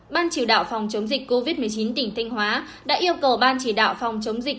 ban chỉ đạo phòng chống dịch covid một mươi chín tỉnh thanh hóa đã yêu cầu ban chỉ đạo phòng chống dịch